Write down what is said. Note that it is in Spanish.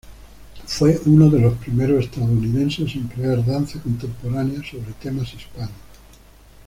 Él fue uno de los primeros estadounidenses en crear danza contemporánea sobre temas hispanos.